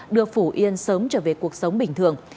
đưa phủ yên sớm trở về cuộc sống bình thường